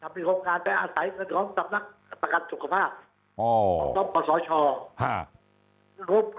ไปทำเป็นโครงการไปอาศัยกับนักการสุขภาพของปศช